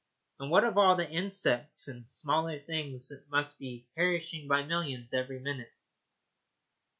And what of all the insects and smaller things that must be perishing by millions every minute?